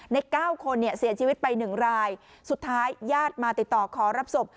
ในเก้าคนเนี่ยเสียชีวิตไปหนึ่งรายสุดท้ายญาติมาติดต่อขอรับศพ